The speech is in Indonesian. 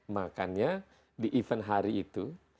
makanya di event hari itu